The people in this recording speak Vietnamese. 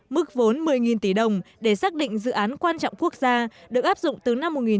mức vốn một mươi tỷ đồng để xác định dự án quan trọng quốc gia được áp dụng từ năm một nghìn chín trăm bảy mươi